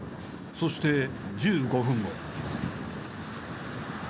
そして１５分後。